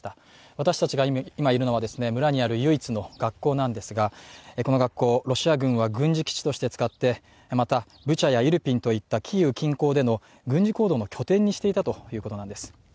私たちが今いるのは村にある唯一の学校なんですが、この学校、ロシア軍は軍事基地として使ってブチャやイルピンといったキーウ近郊での軍事行動の拠点にしていたということです。